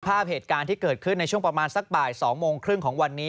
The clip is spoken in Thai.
ภาพเหตุการณ์ที่เกิดขึ้นในช่วงประมาณสักบ่าย๒โมงครึ่งของวันนี้